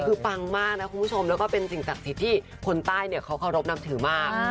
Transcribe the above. คือปังมากนะคุณผู้ชมแล้วก็เป็นสิ่งศักดิ์ศรีที่คนใต้เขารพนำถือมาก